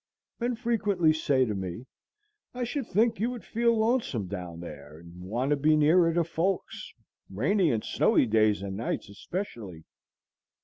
Men frequently say to me, "I should think you would feel lonesome down there, and want to be nearer to folks, rainy and snowy days and nights especially."